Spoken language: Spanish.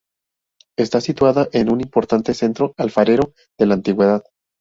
Está situada en un importante centro alfarero de la antigüedad.